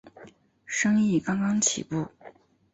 生意刚刚起步